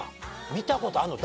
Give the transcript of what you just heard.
見たことあんの？